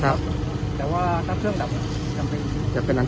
เขาแค่ตกใจขึ้นมาก็ไม่เห็นใคร